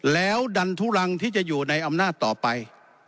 แล้วดันทุรังที่จะอยู่ในอำนาจต่อไป